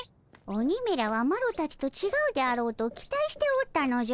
鬼めらはマロたちとちがうであろうと期待しておったのじゃ。